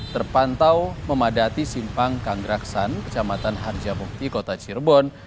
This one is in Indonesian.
terpantau memadati simpang kanggraksan kecamatan harjamukti kota cirebon